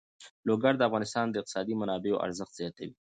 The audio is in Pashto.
لوگر د افغانستان د اقتصادي منابعو ارزښت زیاتوي.